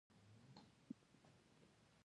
د افغانستان په منظره کې ځمکنی شکل ښکاره دی.